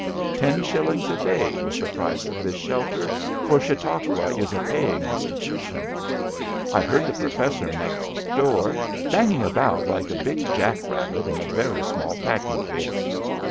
Ten shillings a day was the price of this shelter, for Chautauqua is a paying institution. I heard the Professor next door banging about like a big jack rabbit in a very small packing case.